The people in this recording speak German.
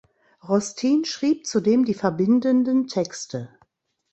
Rostin schrieb zudem die verbindenden Texte.